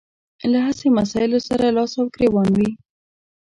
له هسې مسايلو سره لاس او ګرېوان وي.